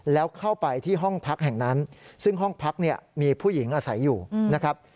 แล้วเข้าไปที่ห้องพักแห่งนั้นซึ่งห้องพักเนี่ยมีผู้หญิงอาศัยอยู่นะครับ